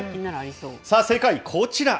さあ、正解、こちら。